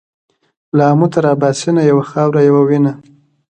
له امو تر اباسينه يوه خاوره يوه وينه.